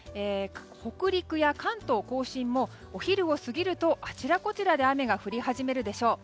北陸や関東・甲信もお昼を過ぎるとあちらこちらで雨が降り始めるでしょう。